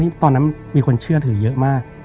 ตอนนั้นมีคนเชื่อถือเยอะมาก